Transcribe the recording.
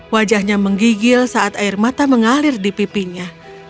wajahnya menggigil saat air mata mengalir di pipinya